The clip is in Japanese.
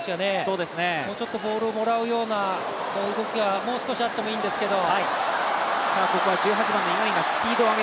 もうちょっとボールをもらうような動きが、もう少しあってもいいんですけど。